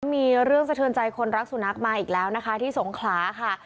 มีเรื่องสะเทือนใจคนรักสุนัขมาอีกแล้วนะคะที่สงขลาค่ะ